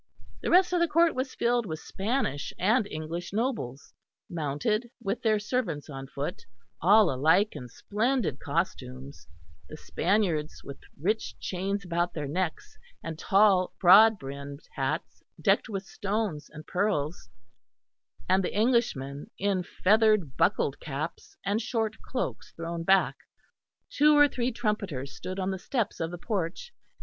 The rest of the court was filled with Spanish and English nobles, mounted, with their servants on foot; all alike in splendid costumes the Spaniards with rich chains about their necks, and tall broad brimmed hats decked with stones and pearls, and the Englishmen in feathered buckled caps and short cloaks thrown back. Two or three trumpeters stood on the steps of the porch.